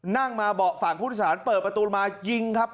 นั่งมาบอกฝั่งผู้โทษฐานเปิดประตูละมายิงครับ